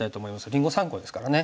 りんご３個ですからね。